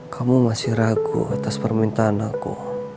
kamu masih ragu atas permintaan aku